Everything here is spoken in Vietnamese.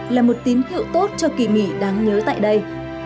hãy giới thiệu tốt cho kỳ nghỉ đáng nhớ tại đây